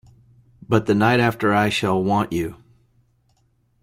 But the night after I shall want you.